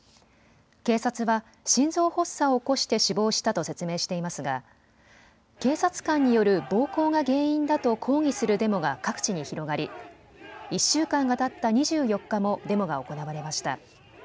警察は心臓発作を起こして死亡したと説明していますが警察官による暴行が原因だと抗議するデモが各地に広がり、１週間がたった２４日もデモが行われました。